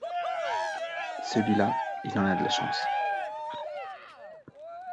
Celui-là il en a de la chance.